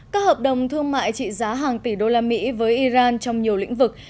các hợp đồng thương mại trị giá hàng tỷ đô la mỹ với iran trong nhiều lĩnh vực